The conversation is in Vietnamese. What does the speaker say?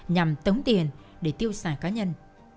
nhằm tống tiền để tiêu xài cá nhân